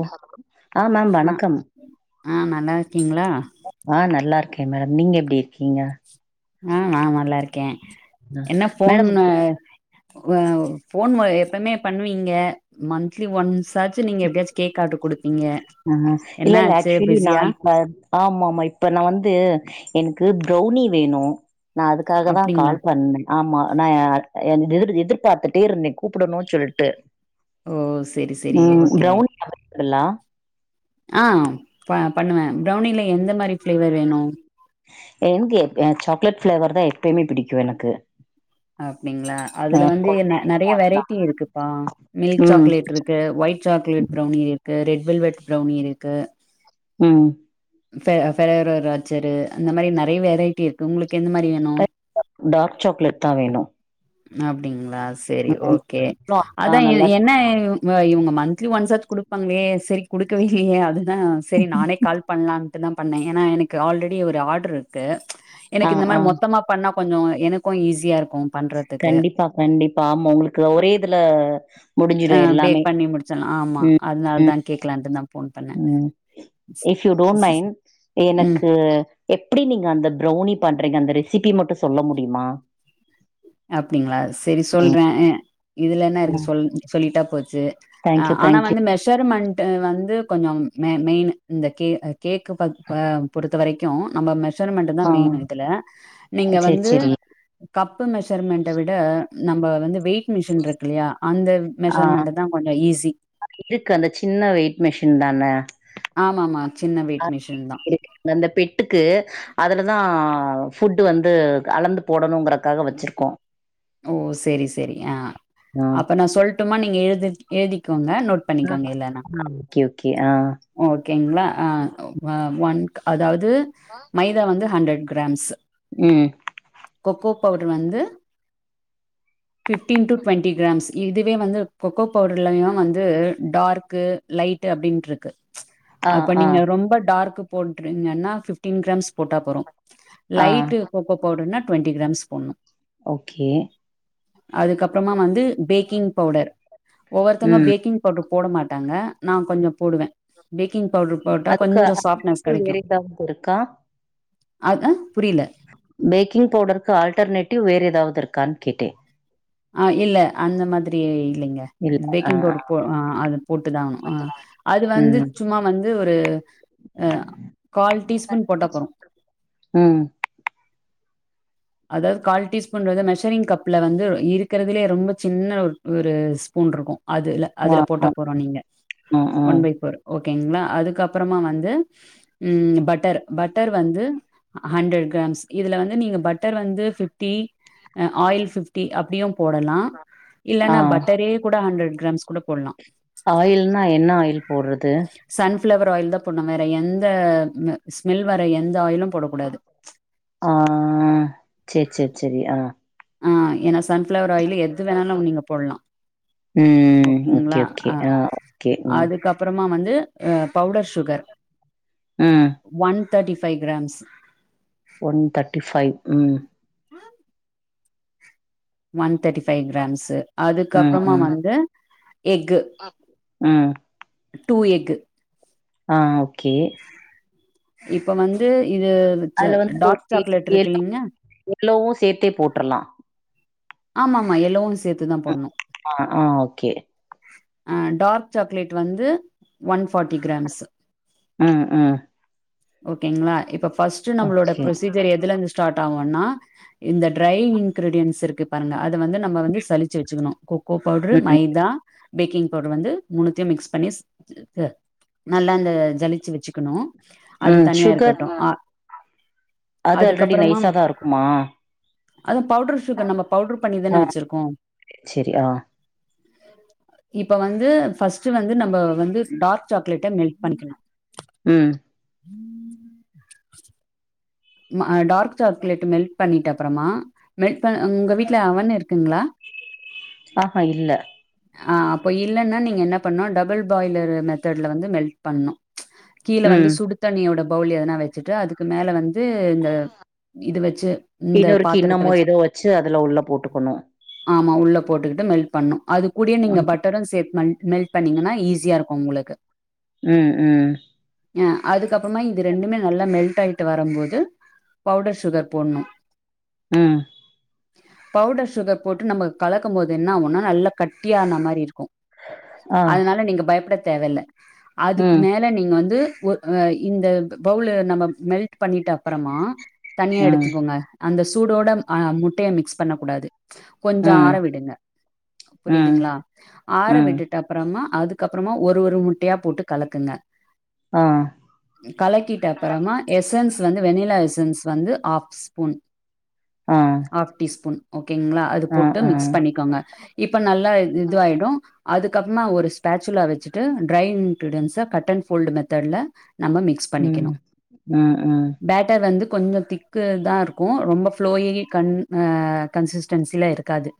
நீ சாப்புடு அ ஆ நல்லா இருக்கீங்ளா ஆ நல்லா இருக்கே மேடம் நீங்க எப்டி இருக்கீங்க ஆ நா நல்லா இருக்கே அ என்ன மேடம் ஃபோன்னு வ ஃபோன் வ எப்பமே பண்ணுவீங்க மந்த்லி ஒன்ஸ் தாச்சு நீங்க எப்டியாச்சு கேக் ஆட்ரு குடுப்பீங்க அ என்னாச்சு பிஸியா ஆமாம்மா இப்ப நா வந்து எனக்கு ப்ரௌனி வேணு நா அதுக்காக தா அப்டிங்களா கால் பண்ணே ஆமா நா எர் எந்திர் எதிர்பாத்துட்டே இருந்தே கூப்புடணுன் சொல்ட்டு ஓ சேரி சே ம் ப்ரௌனி [inaudible] ல்லா ஆ ப பண்ணுவே ப்ரௌனில எந்த மாரி ஃப்ளேவர் வேணு என்து எப்பயு சாக்லேட் ஃப்ளேவர் தா எப்பயுமே பிடிக்கு எனக்கு அப்டிங்ளா அ அதுல வந்து கொழ- என்ன நெறைய வெரைட்டி இருக்குப்பா மில்க் ம் சாக்லேட் இருக்கு ஒயிட் சாக்லெட் ப்ரௌனி இருக்கு ரெட் வெல்வெட் ப்ரௌனி இருக்கு ம் ஃபே ஃபேரராச்சரு அந்த மாரி நெறைய வெரைட்டி இருக்கு உங்களுக்கு எந்த மாரி வேணு டார்க் சாக்லேட் தா வேணு அப்டிங்களா செரி ஓகே அதா அதுதான் எ நல்லா என்ன ம் இவுங்க மந்த்லி ஒன்ஸ்சாச்சு குடுப்பாங்களே சரி குடுக்கவே இல்லையே அதுதா சரி நானே கால் பண்லான்ட்டு தான் பண்ணே ஏன்னா எனக்கு ஆல்ரெடி ஒரு ஆர்டர் இருக்கு ஆ எனக்கு இந்த ஆ மாரி மொத்தமா பண்ணா கொஞ்ச எனக்கு ஈஸியா இருக்கு பண்றதுக்கு கண்டிப்பா கண்டிப்பா ஆமா உங்களுக்கு ஒரே இதுல முடிஞ்சிடு எல்லாமே ஆனா ஆமா ம், அதனால தா ம், கேக்கலான்டு தா போன் பண்ண ம். இஃப் யூ டோன்ட் மைன் எனக்கு எப்டி நீங்க அந்த ப்ரௌனி பண்றீங்க அந்த ரெசிப்பி மட்டு சொல்ல முடியுமா அப்டிங்களா செரி சொல்ற ம், இதுல என்ன இருக்கு ம். சொல் சொல்லிட்டா போச்சு ஆ தேங்க் யூ ஆனா தேங்க் யூ. வந்து மெஷர்மண்ட் டு வந்து கொஞ்ச மெ மெயினு இந்த கே கேக் பத் பா பொறுத்த வரைக்கும் நம்ம மெசர் மெசேர்மெண்டு தா ஆ மெயினு இதுல நீங்க சரி, வந்து சரி. கப் பு மெஷர்மெண்ட விட நம்ப வந்து வெயிட் மிஷின் இருக்குல்லையா அந்த மெஷர்மெண்டு தா கொஞ்ச ஈஸி ஆ இருக்கு அந்த சின்ன வெயிட் மெஷின் தானே ஆமா ஆமா சின்ன வெயிட் மிஷின் தா அந்தந்த பெட்டுக்கு அதுலதா ஃபுட்டு வந்து அளந்து போடணுங்கறக்காக வச்சிருக்கோ ஓ செரி செரி ஆ ஆ. அப்ப நா சொல்ட்டுமா நீங்க எழுதி எழுதிக்கோங்க நோட் பண்ணிக்கோங்க இல்லன்னா ஆ ஓகே ஓகே ஆ ஓகேங்களா ஆ ஒ ஒன்க் அதாது மைதா வந்து ஹண்ட்ரட் கிராம்ஸு ம். கொக்கோ பவுடர் வந்து ஃபிஃப்டின் டு டுவெண்ட்டி கிராம்ஸ் இதுவே வந்து கொக்கோ பவுடர்லையு வந்து டார்க்கு லைட்டு அப்டின்டு இருக்கு ஆ, அப்ப ஆ, நீங்க ரொம்ப டார்க்கு போட்றீங்கன்னா ஃபிஃப்டின் கிராம்ஸ் போட்டா போறு ஆ. லைட்டு கொக்கோ பவுடர்னா டுவெண்டி கிராம்ஸ் போட்ணு ஓகே அதுக்கப்புறமா வந்து பேக்கிங் பவுடர் ஒவ்வொருத்தவங்க ம். பேக்கிங் பவுட்ரு போட மாட்டாங்க நா கொஞ்ச போடுவ பேக்கிங் பவுடர் போட்டா அதுக்கு கொஞ்ச சாஃப்ட்னஸ் ஆல்டர்நேட்டிவ் கெடைக்கு வேற ஏதாவது இருக்கா அத் ஆ புரியல பேக்கிங் பவுடருக்கு ஆல்டர்னேட்டிவ் வேற எதாவது இருக்கான்னு கேட்டே ஆ இல்ல அந்த மாதிரி இல்லிங்க இல்ல ஆ பேக்கிங் பவுடர் போ ஆ அது போட்டுதா ஆவணு ஆ அது வந்து ம் சும்மா வந் து ஒரு ஆ கால் டீஸ்பூன் போட்டா போறு ம் அதாது கால் டீஸ்பூன்றது மெஷரிங் கப்ல வந்து இருக்கிறதுலயே ரொம்ப சின்ன ஒரு ஒரு ஸ்பூன் இருக்கு அதுல ஆ அதுல போட்டா ஆ போறு நீங்க ஆ ஆ ஒன் பை ஃபோர் ஓகேங்களா அதுக்கப்புறமா வந்து ம் பட்டர் பட்டர் வந்து ஹண்ட்ரட் கிராம்ஸ் இதுல வந்து நீங்க பட் டர் வந்து ஃபிஃப்டி ஆ ஆயில் ஃபிஃப்டி அப்படியும் போடலா ஆ இல்லைன்னா பட்டரே கூட ஹண்ட்ரட் கிராம்ஸ் கூட போடலா ஆயில்னா என்ன ஆயில் போடுறது சன்ஃப்ளவர் ஆயில் தா போண்ணு வேற எந்த ஸ்மெல் வேர எந்த ஆயிலு போடக் கூடாது அ சேரி சேரி சேரி அ அ ஏன்னா சன்ஃபிளவர் ஆயில் எது வேணாலு நீங்க போடலா ம் ஓகே ஓகேங்களா ஓகே அ ஆ ஓகே ம் அதுக்கப்பறமா வந்து அ பவுடர் சுகர் ம் one thirty five grams one thirty five ம் ஒன் தேட்டி ஃபைவ் கிராம்ஸு ம் அதுக்கப்பறமா ம் வந்து எக்கு ம் டூ எக் அ ஓகே இப்ப வந்து இது அதுல டார் சாக்லேட் இருக்குல்லீங்க எல்லோவு சேர்த்தே போட்டுரலா ஆமாமாமா எல்லோவு சேத்துதா போடணு ஆ ஆ ஓகே அ டார்க் சாக்லேட் வந்து ஒன் ஃபாட்டி கிராம்ஸ் அ அ ஓகேங்களா இப்ப பஸ்ட் நம்மளோட ஓகே ப்ரொசி சரி எதுல இருந்து ஸ்டாட் ஆகனா இந்த ட்ரை இன்கிரீடியன்ஸ் இருக்கு பாருங்க அத வந்து நம்ம வந்து சளிச்சு வச்சுக்கணு கொக்கோ பவுடரு ம் மைதா பேக்கிங் பவுடர் வந்து மூணுத்தையு மிக்ஸ் பண்ணி இது நல்லா அ ஜலிச்சு வச்சுக்கணு அது ம் தனியா சுகர் இருக்கட்டு அது ஆல்ரெடி நைஸா தா இருக்குமா அதா பவுடர் சுகர் நம்ம பவுடர் ஆ பண்ணிதானே வச்சிருக்கோ [inaudible] செரி ஆ இப்ப வந்து ஃபஸ்ட் வந்து நம்ம வந்து டார்க் சாக்லேட்ட மெல்ட் பண்ணிக்கனு ம் [inaudible] ம அ டார்க் சாக்லேட் மெல்ட் பண்ணிட்டு அப்றமா மெல்ட் ப உங்க வீட்டுல அவன் இருக்குங்களா அ ஹா இல்ல அப்ப இல்லைன்னா நீங்க என்ன பண்ணணு டபுள் பாய்லர் மெத்தடுல வந்து மெல்ட் பண்ணணு கீழே வந்து ம் சுடு தண்ணியோட பவுல எதனா வச்சுட்டு அதுக்கு மேல வந்து இந்த இது வச்சு இந்த இன்னொரு பாத்திரத்த கிண்ணமோ ஏதோ வச்சு அதுல உள்ள போட்டுக்கணு ஆமா உள்ள போட்டுக்கிட்டு மெல்ட் பண்ணு அது கூடிய நீங்க பட்டரு சேத்து மெல்ட் பண்ணீங்கன்னா ஈஸியா இருக்கு உங்களுக்கு ம் ம் அதுக்கப்பறமா இது ரெண்டுமே நல்லா மெல்ட் ஆகிட்டு வருபோது பவுடர் சுகர் போடணு ம் பவுடர் சுகர் போட்டு நம்ம கலக்கு போது என்ன ஆகும்னா நல்ல கட்டியான மாதிரி இருக்கு ஆ அதனால நீங்க பயப்பட தேவை இல்ல அதுக்கு ம் மேலே நீங்க வந்து ஒ அ இந்த பவுல நம்ம மெல்ட் பண்ணிட்டா அப்பறமா தனியா ம் எடுத்துக்கோங்க அந்த சூடோட அ முட்டய மிக்ஸ் பண்ணக்கூடாது கொஞ்ச ம் ஆற விடுங்க ம் புரியுதுங்களா ஆற ம் விட்டுட் அப்பறமா அதுக்கப்பறமா ஒரு ஒரு முட்டையா போட்டு கலக்குங்க ஆ கலக்கிட்ட அப்பறமா எசன்ஸ் வந்து வெண்ணிலா எசன்ஸ் வந்து ஹாஃப் ஸ்பூன் ஆ ஹாப் டீஸ் ஸ்பூன் ஓகேங்களா அது ஆ போட்டு ஆ மிக்ஸ் பண்ணிக்கோங்க இப்ப நல்லா இது ஆயிடும் அதுக்கப்பறமா ஒரு ஸ்பேச்சுலா வச்சுட்டு dry ingredients cut and fold மெத்தட்ல நம்ம மிக்ஸ் ம் பண்ணிக்கணு ம் ம் பேட்டர் வந்து கொஞ்ச திக்கு தா இருக்கும் ரொம்ப ஃப்ளோயி கண் ஆ கன்சிஸ்டன்சில இருக்காது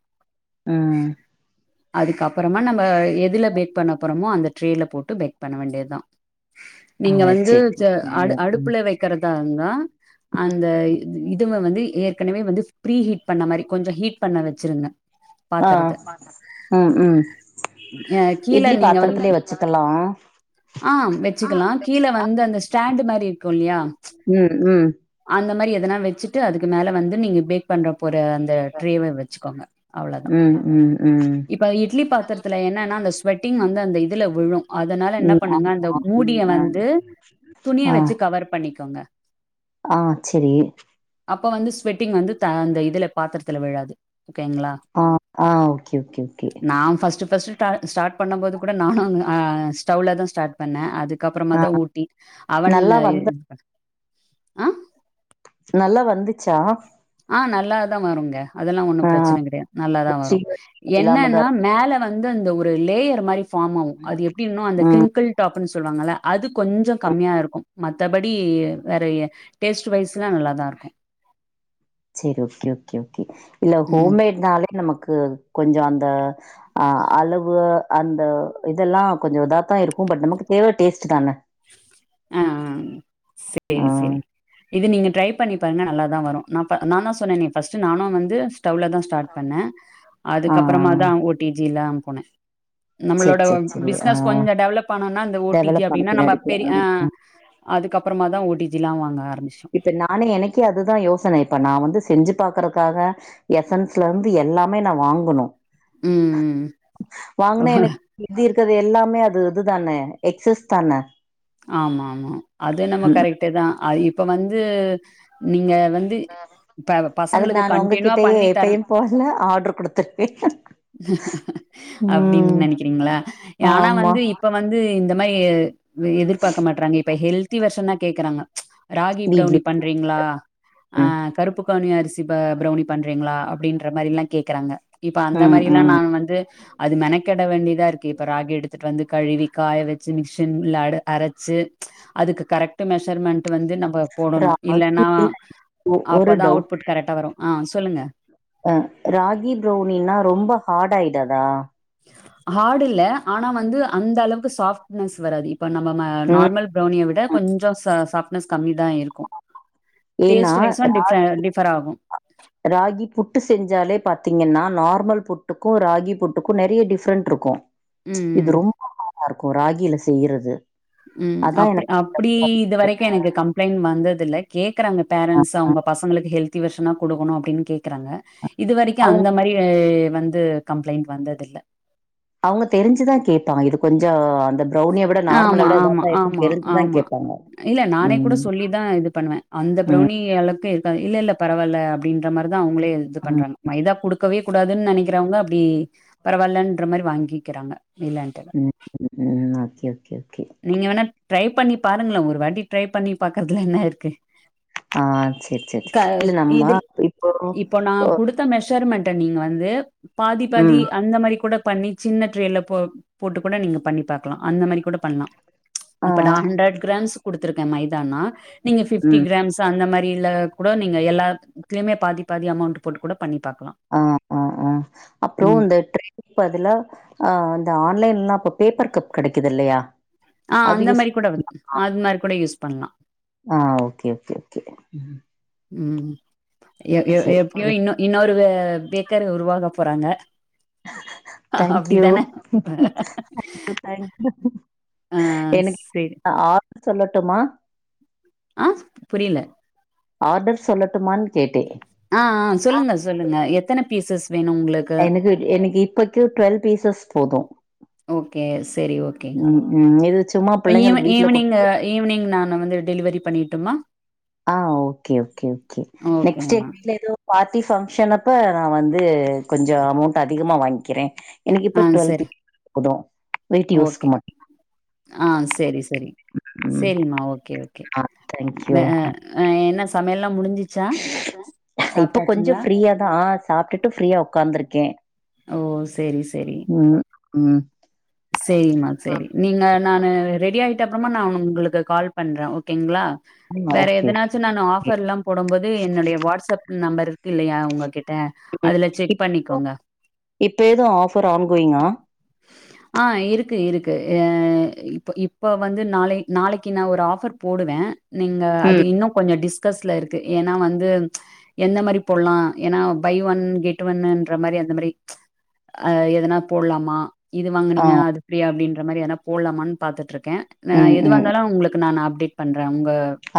ம் அதுக்கப்பறமா நம்ம எதுல பேக் பண்ண போறோமோ அந்த ட்ரேல போட்டு பேக் பண்ண வேண்டியது தா ஆ நீங்க வந்து செரி ம் அடுப்புல வெக் கறதா இருந்தா அந்த இதுவுவ வந்து ஏற்கனவே வந்து ப்ஃரீ ஹீட் பண்ண மாரி கொஞ்ச ஹீட் பண்ண வச்சுருங்க [inaudible] ஆ ம் ம் கீழ இட்லி நீங்க வந்து பாத்ரத்தலயு வச்சுக்கலா ஆ வச்சுக்கலா கீழே வந்து அந்த ஸ்டாண்டு் மாரி இருக்கு இல்லயா ம் ம் அந்த மாரி எதனா வச்சுட்டு அதுக்கு மேல வந்து நீங்க பேக் பண்ற போற அந்த ட்ரேவ வச்சுக்கோங்க அவ்வளதான். ம் ம் ம் இப்ப இட்லி பாத்ரத்துல என்னன்னா அந்த ஸ்வெட்டிங் வந்து அந்த இதில விழும் அதனால என்ன ம் ஆ பண்ணுங்க அந்த ஆ மூடிய வந்து துணிய ஆ வச்சு கவர் பண்ணிக்கோங்க ஆ செரி அப்ப வந்து ஸ்வெட்டிங் வந்து அந்த இதுல பாத்ரத்தல விழாது ஓகே ங்களா ஆ ஆ ஓகே ஓகே ஓகே நா ஃபஸ்டு ஃபஸ்ட் ஸ்டார்ட் பண்ண போது கூட நா ஸ்டவ்ல தா ஸ்டார்ட் பண்ண அதுக் அப்பறமா ஆ தா ஊட்டி அவன்ல நல்லா வந்த ஆ நல்ல வந்துச்சா ஆ நல்லா தா வருங்க அதெல்லா ஒண்ணு ஆ பிரச்சன கெடயாது நல்லாதா வரும் ஸ்ரீவல்லிக்கு விழாம தான் என்னன்னா இருக்கு மேல வ ந்து அந்த ஒரு லேயர் மாரிஃபாம் ஆகும் அது எப்டினா அந்த ம் கிரிங்கிள் டாப்ன்னு சொல்லுவாங்கள அது கொஞ்ச ம் கம்மியா இருக்கும் மத்தபடி வேற டேஸ்ட் வைஷ்லா நல்லா தா இருக்கும் சரி ஓகே ஓகே ஓகே இல்ல ம். ஹோம்மேட்னாலே நமக்கு கொஞ்ச அந்த ஆ அளவு அந்த இதெல்லா கொஞ்ச இதாத்தா இருக்கும் பட் நமக்கு தேவ டேஸ்ட் தான ஆ ஆ ஆ சேரி சேரி இது நீங்க ட்ரை பண்ணி பாருங்க நல்லா தா வரும் நா நானா சொன்னே ஃபஸ்ட் நானு வந்து ஸ்டவ்ல தா ஸ்டார்ட் பண்ண ஆ அதுக் அப்பறமா தா ஓ டி ஜில்லா போனே சரி நம்மளோட சரி சரி ஆ பிசினஸ் கொஞ்ச டெவலப் ஆனா இந்த ஓ டிஜி டெவலப் ஆன அப்டினா நம்ம பின்னாடிக்கு ஆ பெரிய அ ஆ அதுக் அப்பறமா தா ஒ டிஜி எல்லா வாங்க ஆரம்ச்ச இப்ப நானே எனக்கே அதுதா யோசன இப்ப நா வந்து செஞ்சு பாக்றக்காக எசன்ஸ்ல இருந்து எல்லாமே நா வாங்கனும் ம் வாங்கனா எனக்கு இது இருக்கது எல்லாமே அது இதுதான எக்சஸ் தான ஆமா ஆமா அது என்னமோ கரெக்ட்தா அது இப்ப வந்து நீங்க வந் து ப அதுக்கு பசங்களுக்கு நான் கண்டினியூவா உங்ககிட்டயே பண்ணி தரணு எப்பயு போல ஆர்டர் குடுத்துருவே அப்டின் ம் நெனைக்கிறீங்களா ஆனா ஆமா வந்து இப் ப வந்து இந்த மாரி எதிர்பாக்க மாட்றாங்க இப்ப ஹெல்தி வெர்ஷன்னா கேக்குறாங்க ராகி பிரௌனி வீட்லே பண்றீங்களா ஆ ம் கருப்பு கவுனி அரிசி பிரௌனி பண்றீங்களா அப்டின்ற மாரில்லா கேக்குறாங்க இப்ப அந்த ம் மாரில்லா ம் நானு வந்து அது மெனக்கெட வேண்டியதா இருக்கு இப்ப ராகி எடுத்துட்டு வந்து கழுவி காய வச்சி மிஷின்ல அரச்சி அதுக்கு கரெக்ட் மெஷர்மெண்ட் வந்து நம்ம போடணு ராகி இல்லன்னா இல்ல ஒரு அப்பதா டவுட் அவுட்புட் கரெக்ட்டா வரு ஆ சொல்லுங்க அ ராகி ப்ரௌனின்னா ரொம்ப ஹார்ட் ஆயிடாதா ஹார்டு இல்ல ஆனா வந்து அந்த அளவுக்கு சாப்ட்னஸ் வராது இப்ப நம்ம ம் நார்மல் பிரௌனிய விட கொஞ்சோ ச சாப்ட்னஸ் கம்மிதா இருக்கு ஏன்னா டேஸ்ட் வைஸ்சு ரா டிஃபர் டிஃபர் ஆகு ராகி புட்டு செஞ்சாலே பாத்தீங்கன்னா நார்மல் புட்டுக்கு ராகி புட் டுக்கு நெறைய டிஃபரெண்டட் இருக்கு ம் இது ரொம்ப ஹார்ட்டா இருக்கு ராகில செய்யிறது ம் அப் அப்டி இது வரைக்கு எனக்கு கம்ப்ளைண்டட் வந்ததுல்ல கேக்குறாங்க பேரன்ட்ஸ் அவங்க பசங்களுக்கு ஹெல்தி வெர்ஷனா குடுக்கணு அப்டின்னு கேக்குறாங்க இது வரைக்கு அவங்க அந்த மாரி வந்து கம்ப்ளைண்டட் வந்ததுல்ல அவுங்க தெரிஞ்சிதா கேப்பாங்க இது கொஞ்சோ அந்த ப்ரௌனிய விட நார்மல ஆமா விட ஆமா இதாத்தா இருக்குன்னு ஆமா தெரிஞ்சுதா ஆமா கேப்பாங்க இல்ல நானே கூட ம் சொல்லிதா இது பண்ணுவே அந்த ம் பிரௌனி அளவுக்கு இருக்காது இல்ல இல்ல பரவாயில்ல அப்டின்ற மாரிதா அவுங்களே இது ம் பண்றாங்க மைதா குடுக்கவே கூடாதுன்னு நெனைக்கிறவங்க அப்டி பரவாயில்லன்ற மாரி வாங்கிக்கிறாங்க இல்லன்ட்டு இல்ல ம் ம் ஓகே ஓகே ஓகே நீங்க வேணா ட்ரை பண்ணி பாருங்களே ஒரு வாட்டி ட்ரை பண்ணி பாக்குறதுல என்ன இருக்கு ஆ செரி செரி க இல்ல நம்ம இதில் இப்போ இப்போ நான் குடுத்த மெஷர்மெண்ட நீங்க வந்து பாதி பாதி ம் அந்த மாரி கூட பண்ணி சின்ன ட்ரேல போ போட்டு கூட நீங்க பண்ணி பாக்கலா அந்த மாரி கூட பண்ணலா ஆ இப்ப நா ஹண்ட்ரட் கிராம்ஸ் குடுத்துருக்கே மைதானா நீங்க பிப்டி ம் கிரா ம்ஸ் அந்த மாரி இதுல கூட நீங்க எல்லாத்தலயுமே பாதி பாதி அமௌண்ட் போட்டு கூட பண்ணி பாக்கலா ஆ ஆ ஆ அப்பறோ இந்த ட்ரே இப்ப அதுல ஆ இந்த ஆன்லைன்லல்லா இப்ப பேப்பர் கப் கெடைக்குது இல்லையா ஆ அது அந்த யூஸ் மாரி கூட வச் அது மாரி கூட யூஸ் பண்ணலா ஆ ஓகே ஓகே ஓகே ம் ம் எ எப் சரி எப்டியோ இன்னு இன்னொரு பேக்கர் உருவாக போறாங்க தேங்க் யூ அப்டிதான தேங்க் யூ ஆ சேரி சொல்லட்டுமா ஆ புரியல ஆர்டர் சொல்லட்டுமான்னு கேட்டே ஆ ஆ சொல்லுங்க சொல்லுங்க எத்தன பீசஸ் வேணு உங்களுக்கு எனக்கு எனக்கு இப்பக்கு டுவெல் பீசஸ் போது ஓகே செரி ஓகேங்க ம் ம் இது சும்மா ஈவ் பிள்ளைங்களுக்கு வீட்ல குடு ஈவினிங் ஈவினிங் நானு வந்து டெலிவரி பண்ணிட்டுமா ஆ ஓகே ஓகே ஓகே நெக்ஸ்ட் ஓகேமா வீட்ல ஏதோ பார்ட்டி ஃபங்க்ஷனப்ப நா வந்து கொஞ்சோ அமௌண்ட் அதிகமா வாங்க்கிறே எனக்கு இப்ப ஆ டுவெல்து சரி போது வீட்டு யூஸ்க்கு ஓகே மட்டு ஆ செரி செரி ம் செரிங்மா ஓகே ஓகே ஆ தேங்க்யூ ந அ ஆ என்ன சமையல்லா முடிஞ்சி இப்ப கொஞ்சோ ஃப்ரீயாதா சாப்டுட்டு ஃப்ரீயா உக்காந்துருக்கே ஓ சேரி உம் உம் சேரிங்மா சேரி நீங்க நானு ரெடி ஆயிட்ட அப்றமா நானு உங்களுக்கு கால் பண்றே ஓகேங்ளா ஆமா வேற ஓகே ஓகே எதனாச்சு நானு ஓகே ஆஃபர்லா போடம் போது என்னுடைய வாட்ஸ்அப் நம்பர் இருக்குல்லையா உங்க கிட் ட ம். அதுல செக் இப்போ பண்ணிக்கோங்க இப்ப எது ஆஃபர் ஆன் கோயிங்கா ஆ இருக்கு இருக்கு ஆ இப் இப்ப வந்து நாளை நாளைக்கு நா ஒரு ஆஃபர் போடுவே நீங்க அது ம் இன்னு கொஞ்சோ டிஸ்கஸ்ல இருக்கு ஏனா வந்து எந்த மாறி போடலா ஏனா பை ஒன் கெட் ஒன்னுன்ற மாறி அந்த மாறி ஆ எதனா போடலாமா ஆ வாங்கனீங்க அது ப்ரீ அப்டின்ற மாறி எதனா போடலாமான் பாத்துட்ருக்கே நா ம் ம் எதுவாருந்தாலு உங்களுக்கு நானு அப்டேட் பண்றே உங்க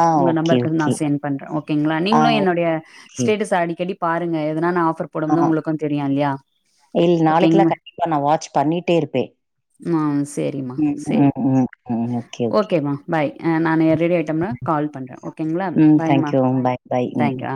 ஆ உங்க ஓகே நம்பருக்கு நா ஓகே சென்ட் பண்றே ஓகேங்ளா ஆ நீங்களு என்னுடைய ஓகே ஸ்டேட்டஸ அடிக்கடி பாருங்க எதனா நா ஆஃபர் போடும் ஆ. போது உங்களுக்கு தெரியு இல்லையா ஓகேங்க தா நா வாச் பண்ணிட்டே இருப்பே மா சேரிம்மா சேரி ம், ம். Okay, okay. ஓகேமா பாய் அ நானு ரெடி ஆயிட்டம்னா கால் பண்றே ஓகேங்களா பாய்மா தேங்க் யூ. ம் பாய் பாய் ம். தாங்க்யூ ஆ